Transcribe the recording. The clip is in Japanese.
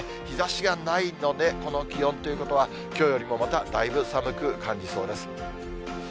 日ざしがないので、この気温ということは、きょうよりもまた、だいぶ寒く感じそうです。